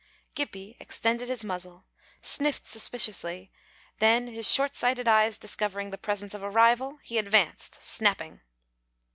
Gippie extended his muzzle, sniffed suspiciously, then his short sighted eyes discovering the presence of a rival, he advanced snapping.